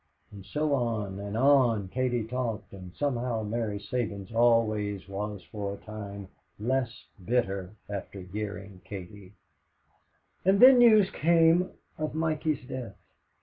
And so on and on Katie talked, and somehow Mary Sabins always was for a time less bitter after hearing Katie. And then news came of Mikey's death.